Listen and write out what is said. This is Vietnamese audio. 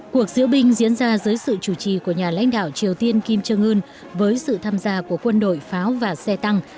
cuộc diễu binh diễn ra dưới sự chủ trì của nhà lãnh đạo triều tiên kim trương ươn với sự tham gia của quân đội pháo và xe tăng